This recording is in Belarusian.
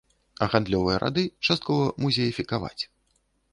А гандлёвыя рады часткова музеефікаваць.